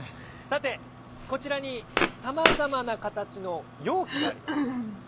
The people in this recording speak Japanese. さてこちらにさまざまなかたちのようきがあります。